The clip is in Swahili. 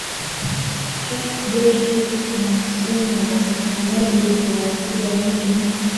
ee je hivi kuna msimu wa upatikanaji wa wateja wengi na